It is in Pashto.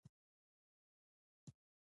هېواد د پاک چاپېریال اړتیا لري.